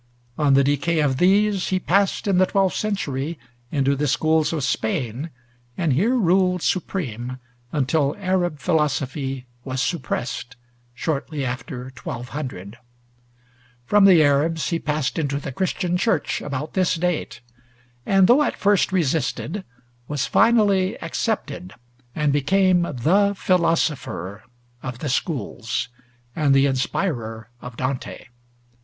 On the decay of these, he passed in the twelfth century into the schools of Spain, and here ruled supreme until Arab philosophy was suppressed, shortly before 1200. From the Arabs he passed into the Christian Church about this date; and though at first resisted, was finally accepted, and became "the philosopher" of the schools, and the inspirer of Dante.